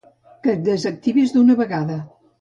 Que et desactivis d'una vegada.